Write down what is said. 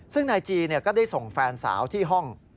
ซึ่งนายจีก็ได้ส่งแฟนสาวที่ห้อง